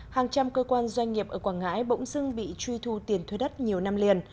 hàng trăm cơ quan doanh nghiệp ở quảng ngãi bỗng dưng bị truy thu tiền thuê đất nhiều năm liền